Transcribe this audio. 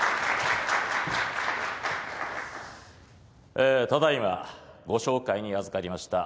えただ今ご紹介にあずかりました